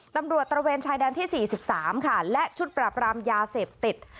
ตระเวนชายแดนที่๔๓ค่ะและชุดปราบรามยาเสพติด